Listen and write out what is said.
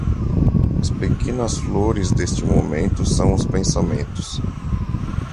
As pequenas flores deste momento são os pensamentos.